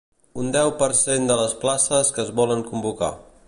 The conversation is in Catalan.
Un deu per cent de les places que es volen convocar.